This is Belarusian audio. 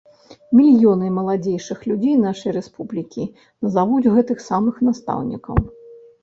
Мільёны маладзейшых людзей нашай рэспублікі назавуць гэтых самых настаўнікаў.